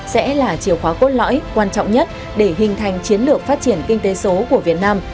sẽ là chiều khóa cốt lõi quan trọng nhất để hình thành chiến lược phát triển kinh tế số của việt nam